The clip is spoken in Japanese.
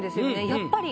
やっぱり。